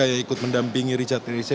yang ikut mendampingi richard eliezer